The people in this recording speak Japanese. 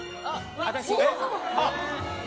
私。